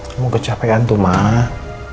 kamu kecapean tuh mah